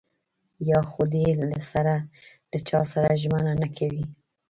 يا خو دې له سره له چاسره ژمنه نه کوي.